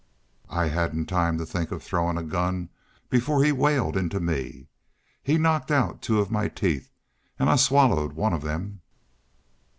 I hadn't time to think of throwin' a gun before he whaled into me. He knocked out two of my teeth. An' I swallered one of them."